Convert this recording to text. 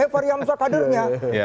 fahri hamzah kadernya